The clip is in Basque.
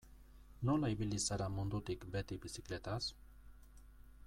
Nola ibili zara mundutik beti bizikletaz?